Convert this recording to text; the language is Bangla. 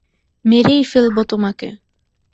মেরেই ফেলবো তোমাকে।